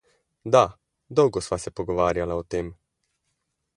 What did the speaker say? Da, dolgo sva se pogovarjala o tem.